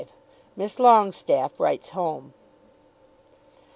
MISS LONGESTAFFE WRITES HOME.